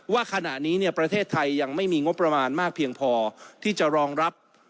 ว่าขณะนี้เนี่ยประเทศไทยยังไม่มีงบประมาณมากเพียงพอที่จะรองรับ